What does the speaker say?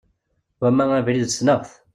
Wama abrid sneɣ-t.